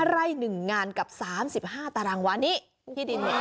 ไร่๑งานกับ๓๕ตารางวานี้ที่ดินเนี่ย